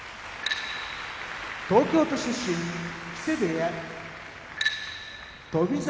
東京都出身木瀬部屋翔猿